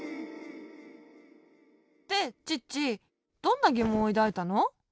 でチッチどんなぎもんをいだいたの？